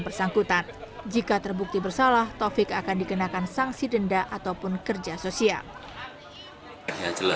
bersangkutan jika terbukti bersalah taufik akan dikenakan sanksi denda ataupun kerja sosial